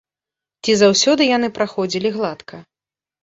Ці заўсёды яны праходзілі гладка?